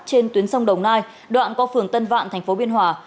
trên tuyến sông đồng nai đoạn qua phường tân vạn tp biên hòa